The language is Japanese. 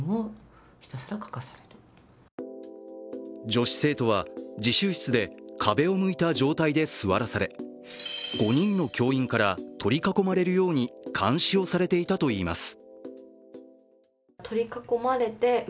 女子生徒は自習室で壁を向いた状態で座らされ、５人の教員から取り囲まれるように監視をされていたといいます。